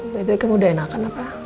by the way kamu udah enakan apa